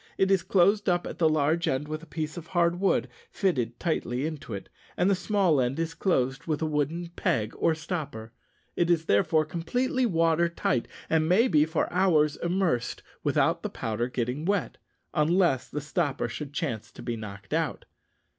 It is closed up at the large end with a piece of hard wood fitted tightly into it, and the small end is closed with a wooden peg or stopper. It is therefore completely water tight, and may be for hours immersed without the powder getting wet, unless the stopper should chance to be knocked out.